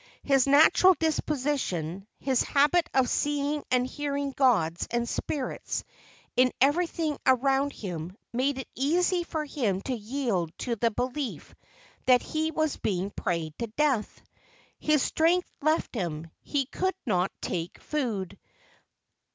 His natural disposition, his habit of seeing and hear¬ ing gods and spirits in everything around him, made it easy for him to yield to the belief that he was being prayed to death. His strength left him. He could take no food.